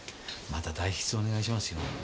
また代筆お願いしますよ。